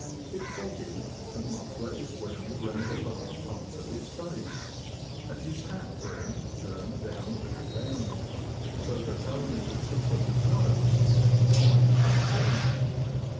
If foggy, a muffler is wound round the lower part of his face, and his hat brim turned down all round, so that only the tip of his nose and his eyes are seen.